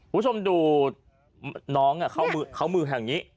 คุณผู้ชมดูน้องเข้ามือแห่งนี้